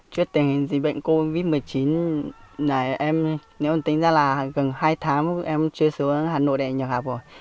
trước tình hình dịch bệnh covid một mươi chín này em nếu ông tính ra là gần hai tháng em chưa xuống hà nội để nhập học rồi